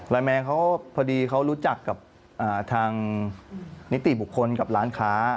แมงเขาพอดีเขารู้จักกับทางนิติบุคคลกับร้านค้า